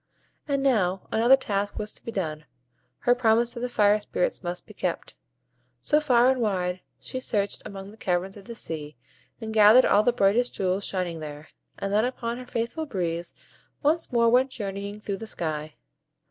And now another task was to be done; her promise to the Fire Spirits must be kept. So far and wide she searched among the caverns of the sea, and gathered all the brightest jewels shining there; and then upon her faithful Breeze once more went journeying through the sky.